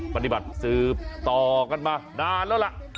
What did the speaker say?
ปฏิบัติสืบต่อกันมานานแล้วล่ะ